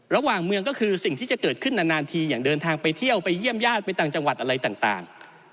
ระหว่างเมืองก็คือสิ่งที่จะเกิดขึ้นนานทีอย่างเดินทางไปเที่ยวไปเยี่ยมญาติไปต่างจังหวัดอะไรต่าง